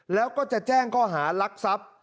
แล้วก็จะแจ้งข้อหารักทรัพย์